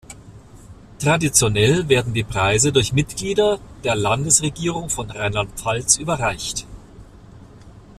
Traditionell werden die Preise durch Mitglieder der Landesregierung von Rheinland-Pfalz überreicht.